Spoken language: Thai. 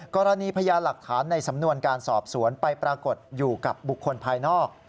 พยานหลักฐานในสำนวนการสอบสวนไปปรากฏอยู่กับบุคคลภายนอก